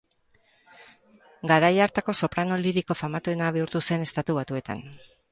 Garai hartako soprano liriko famatuena bihurtu zen Estatu Batuetan.